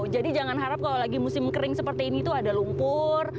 jadi jangan harap kalau lagi musim kering seperti ini tuh ada lumpur